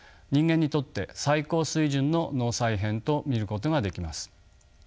人間にとって最高水準の脳再編と見ることができます。